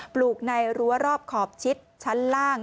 ปลูกในรั้วรอบขอบชิดชั้นล่าง